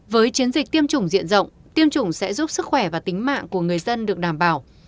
với chiến dịch tiêm chủng diện rộng tiêm chủng sẽ giúp sức khỏe và tính mạng của người dân được đảm bảo